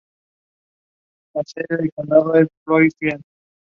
He founded his own brand for water bottles and condoms.